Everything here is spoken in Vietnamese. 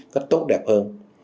có tốt đẹp hơn